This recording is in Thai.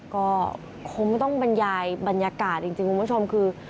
ก็คงไม่ต้องบรรยายบรรยากาศจริงคุณผู้ชมคือ